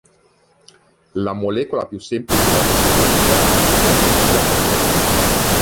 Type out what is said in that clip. La molecola più semplice della categoria è l'acetilacetone.